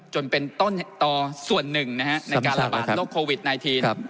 จนเป็นต้นต่อส่วนหนึ่งในการระบาดโรคโควิด๑๙